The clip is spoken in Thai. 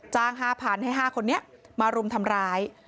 ๕๐๐๐ให้๕คนนี้มารุมทำร้าย